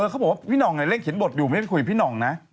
เขาบอกว่าพี่หน่องเล่นเขียนบทอยู่ไม่ได้คุยกับพี่หน่องนะ